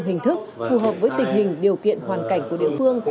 hình thức phù hợp với tình hình điều kiện hoàn cảnh của địa phương